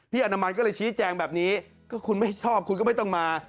อนามันก็เลยชี้แจงแบบนี้ก็คุณไม่ชอบคุณก็ไม่ต้องมา